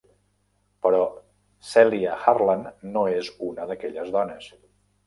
Però Celia Harland no és una d'aquelles dones.